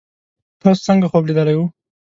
تاسو څنګه خوب لیدلی وو